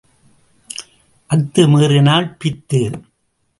அத்து மீறினால் பித்து.